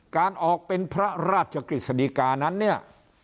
การออกเป็นพระราชกฤษฎีกานั้นเนี่ย